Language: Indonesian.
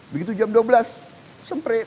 begitu jam dua belas semprit